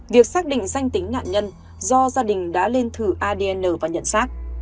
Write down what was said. việc xác định danh tính nạn nhân do gia đình đã lên thử adn và nhận xác